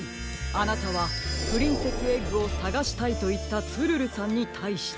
あなたは「プリンセスエッグをさがしたい」といったツルルさんにたいして。